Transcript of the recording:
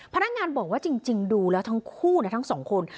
พนักงานบอกว่าจริงดูแล้วทั้งคู่ทั้งสองคน